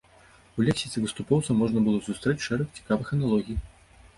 У лексіцы выступоўцаў можна было сустрэць шэраг цікавых аналогій.